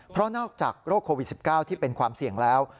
เพราะนอกจากโรคโควิด๑๙ที่เป็นความเสี่ยงแล้ว